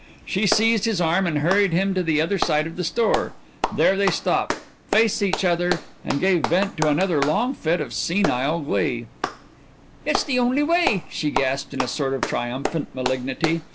She seized his arm and hurried him to the other side of the store. There they stopped, faced each other, and gave vent to another long fit of senile glee. "It's the only way," she gasped in a sort of triumphant malignity.